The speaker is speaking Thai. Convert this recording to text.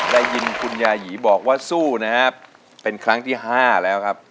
ได้ยินคุณยายีบอกว่าสู้นะครับเป็นครั้งที่ห้าแล้วครับ